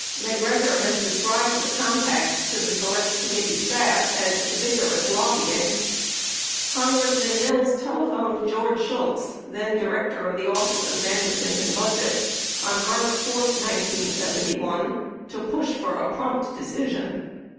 MacGregor has described the contacts to the Select Committee staff as "vigorous lobbying." Con gressman Mills telephoned George Shultz, then Director of the Office of Management and Budget, on March 4, 1971, "to push for a prompt decision."